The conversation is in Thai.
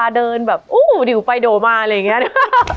เดินแบบอู้ดิวไปโด่มาอะไรอย่างนี้นะ